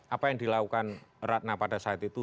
apa yang dilakukan ratna pada saat itu